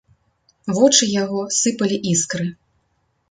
Вочы яго сыпалі іскры.